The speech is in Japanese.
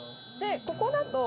ここだと。